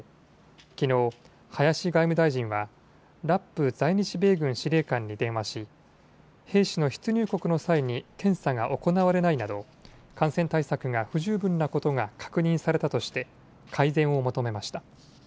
きのう林外務大臣はラップ在日米軍司令官に電話し兵士の出入国の際に検査が行われないなど感染対策が不十分なことが確認されたとして改善を求めました。